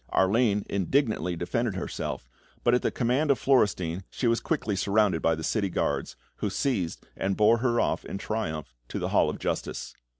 Arline indignantly defended herself, but at the command of Florestein, she was quickly surrounded by the city guards, who seized and bore her off in triumph to the Hall of Justice.